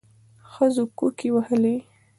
ښځو کوکي وهلې.